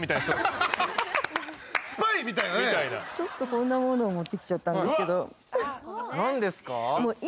そもそもちょっとこんなものを持ってきちゃったんですけど何ですか？